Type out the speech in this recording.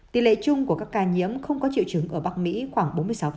tỷ lệ chung của các ca nhiễm không có triệu chứng ở bắc mỹ khoảng bốn mươi sáu